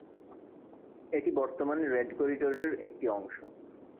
এটি বর্তমানে রেড করিডোরের একটি অংশ।